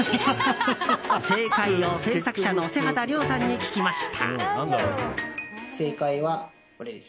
正解を制作者の瀬畑亮さんに聞きました。